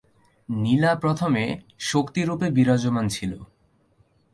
নীলা প্রথমে শক্তি রূপে বিরাজমান ছিল।